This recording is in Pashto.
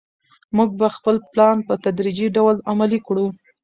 موږ به خپل پلان په تدریجي ډول عملي کړو.